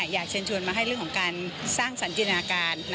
อยากเชิญชวนมาให้เรื่องของการสร้างสันจินาการ